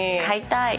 ⁉はい。